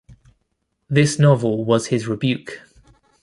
This novel was his rebuke.